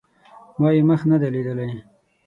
ما یې مخ نه دی لیدلی